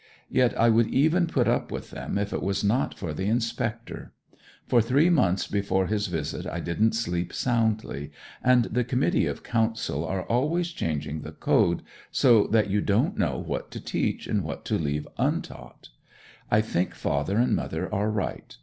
Yet I would even put up with them if it was not for the inspector. For three months before his visit I didn't sleep soundly. And the Committee of Council are always changing the Code, so that you don't know what to teach, and what to leave untaught. I think father and mother are right.